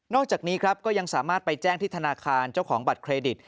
อกจากนี้ครับก็ยังสามารถไปแจ้งที่ธนาคารเจ้าของบัตรเครดิต